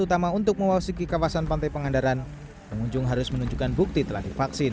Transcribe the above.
utama untuk mewasiki kawasan pantai pangandaran pengunjung harus menunjukkan bukti telah divaksin